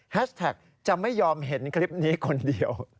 แท็กจะไม่ยอมเห็นคลิปนี้คนเดียว